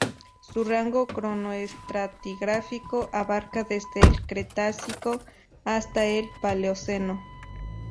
Su rango cronoestratigráfico abarca desde el Cretácico hasta el Paleoceno.